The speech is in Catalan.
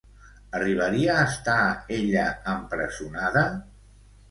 Arribaria a estar ella empresonada?